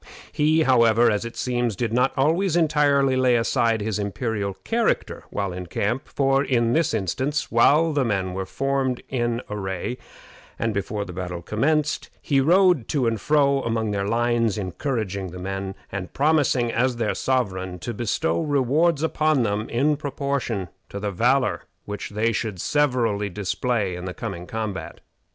He, however, as it seems, did not always entirely lay aside his imperial character while in camp, for in this instance, while the men were formed in array, and before the battle commenced, he rode to and fro along their lines, encouraging the men, and promising, as their sovereign, to bestow rewards upon them in proportion to the valor which they should severally display in the coming combat.